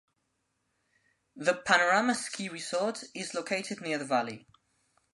The Panorama Ski Resort is located near the valley.